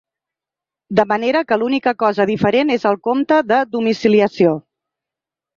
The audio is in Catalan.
De manera que l’única cosa diferent és el compte de domiciliació.